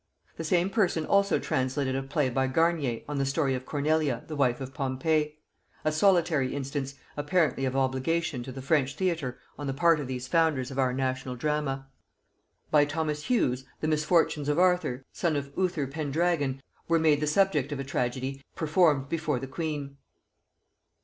The same person also translated a play by Garnier on the story of Cornelia the wife of Pompey; a solitary instance apparently of obligation to the French theatre on the part of these founders of our national drama. By Thomas Hughes the misfortunes of Arthur, son of Uther Pendragon, were made the subject of a tragedy performed before the queen.